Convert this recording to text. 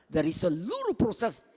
dari seluruh proses